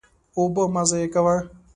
اوبه مه ضایع کوه.